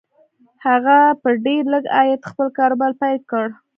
هغه په ډېر لږ عايد خپل کاروبار پيل کړ.